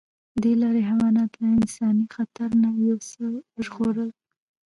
دې لارې حیوانات له انساني خطر نه یو څه وژغورل.